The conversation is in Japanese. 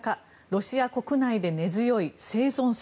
ロシア国内で根強い生存説。